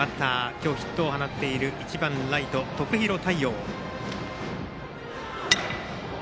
今日ヒットを放っている１番ライト、徳弘太陽。